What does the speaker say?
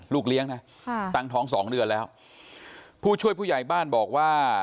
เลี้ยงนะค่ะตั้งท้องสองเดือนแล้วผู้ช่วยผู้ใหญ่บ้านบอกว่า